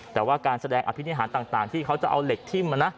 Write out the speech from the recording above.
แต่ว่าการแสดงอภินิหารต่างที่เขาจะเอาเหล็กทิ้ม